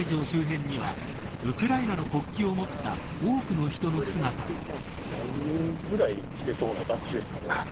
周辺にはウクライナの国旗を持った多くの人の姿が。